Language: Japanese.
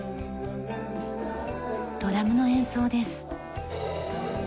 ドラムの演奏です。